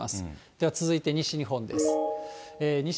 では続いて西日本です。